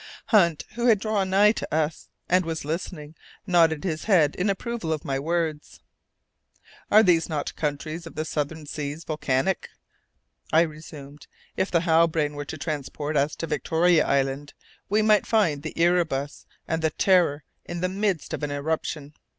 Hunt, who had drawn nigh to us, and was listening, nodded his head in approval of my words. "Are not these countries of the southern seas volcanic?" I resumed. "If the Halbrane were to transport us to Victoria Land, we might find the Erebus and the Terror in the midst of an eruption."